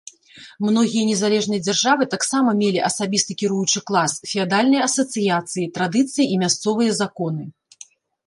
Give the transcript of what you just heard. Многія незалежныя дзяржавы таксама мелі асабісты кіруючы клас, феадальныя асацыяцыі, традыцыі і мясцовыя законы.